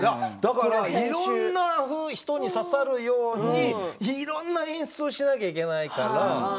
いろんな人に刺さるようにいろんな演出をしなくてはいけないから。